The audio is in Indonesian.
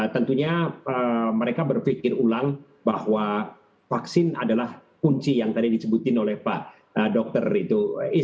tentunya mereka berpikir ulang bahwa vaksin adalah kunci yang tadi disebutin oleh pak dokter itu